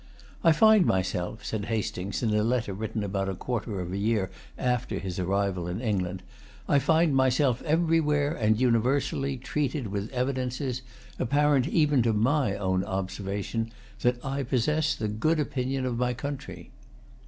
"I find myself," said Hastings, in a letter written about a quarter of a year after his arrival in England,—"I find myself everywhere, and universally, treated with evidences, apparent even to my own observation, that I possess the good opinion of my country."